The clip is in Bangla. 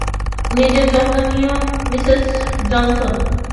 নিজের যত্ন নিবেন, মিসেস জনসন।